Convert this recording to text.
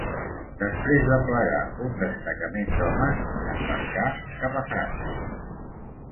Després d'aplegar un destacament d'homes, s'embarcà cap a França.